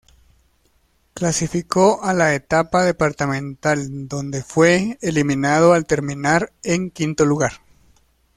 Clasificó a la Etapa Departamental donde fue eliminado al terminar en quinto lugar.